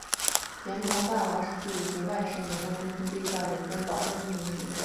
阎魔大王指派自己的甥儿炎魔君从地狱到人界保护人类和消灭邪恶的妖怪。